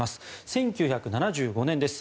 １９７５年です。